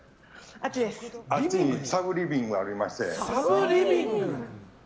あっちにサブリビングがありまして。